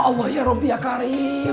ya allah ya rabbi ya karim